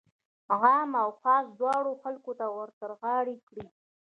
عام او خاص دواړو خلکو ته ورترغاړه کړي.